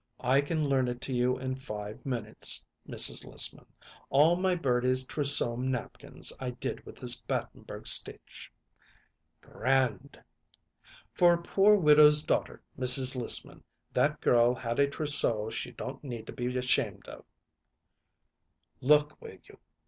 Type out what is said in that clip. "I can learn it to you in five minutes, Mrs. Lissman. All my Birdie's trousseau napkins I did with this Battenberg stitch." "Grand!" "For a poor widow's daughter, Mrs. Lissman, that girl had a trousseau she don't need to be ashamed of." "Look, will you?